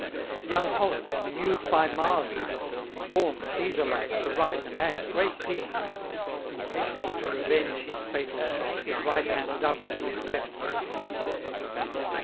175 Young Hollis, on a Muse by Mars begot, Born, Cæsar like, to write and act great deeds: Impatient to revenge his fatal shot, His right hand doubly to his left succeeds.